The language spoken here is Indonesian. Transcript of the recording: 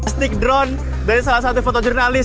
stick drone dari salah satu foto jurnalis